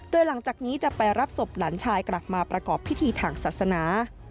โดยหลังจากนี้จะไปรับศพหลานชายกลับมาประกอบพิธีทางศาสนา